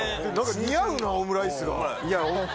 似合うなオムライスが。